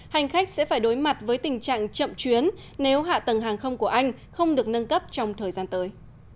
hành khách sẽ phải đối mặt với tình trạng chậm chuyến nếu hạ tầng hàng không của anh không được nâng cấp trong thời gian tới